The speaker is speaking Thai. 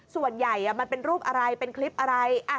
มันเป็นรูปอะไรเป็นคลิปอะไร